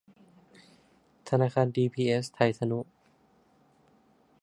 ธนาคารดีบีเอสไทยทนุ